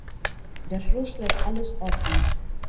Der Schluss lässt alles offen.